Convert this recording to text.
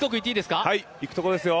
いくところですよ。